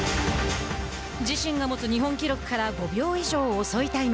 自身が持つ日本記録から５秒以上、遅いタイム。